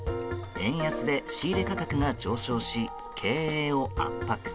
円安で仕入れ価格が上昇し経営を圧迫。